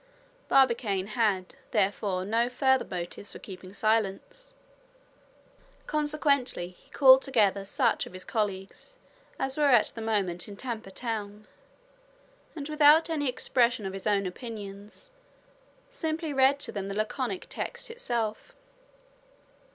Barbicane, had, therefore, no further motives for keeping silence. Consequently, he called together such of his colleagues as were at the moment in Tampa Town, and without any expression of his own opinions simply read to them the laconic text itself.